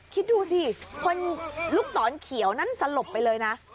คิดดูสิคนลูกศรเขียวนั่นสลบไปเลยนะ